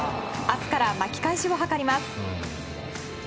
明日から巻き返しを図ります。